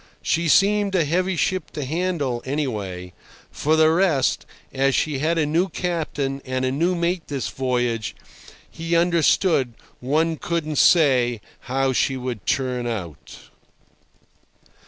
She seemed a heavy ship to handle, anyway. For the rest, as she had a new captain and a new mate this voyage, he understood, one couldn't say how she would turn out.